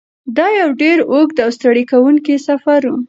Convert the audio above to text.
دا یو ډېر اوږد او ستړی کوونکی سفر و.